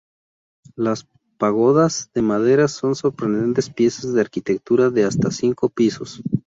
Las pagodas de madera son sorprendentes piezas de arquitectura de hasta cinco pisos.